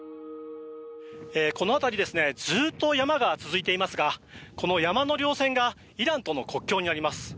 この辺りずっと山が続いていますがこの山のりょう線がイランとの国境になります。